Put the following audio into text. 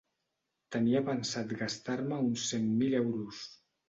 Tenia pensat gastar-me uns cent mil euros.